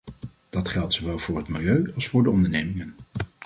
Dat geldt zowel voor het milieu als voor de ondernemingen.